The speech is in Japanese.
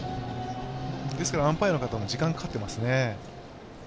アンパイアの方も時間がかかっていますね。